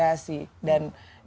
iya gitu untuk berkreasi